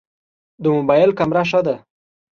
د موبایل کمره ښه ده؟